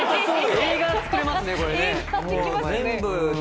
映画できますね。